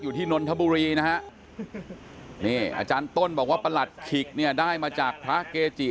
ที่นนทบุรีนะฮะนี่อาจารย์ต้นบอกว่าประหลัดขิกเนี่ยได้มาจากพระเกจิ